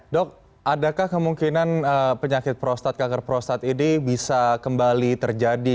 dok adakah kemungkinan penyakit prostat kanker prostat ini bisa kembali terjadi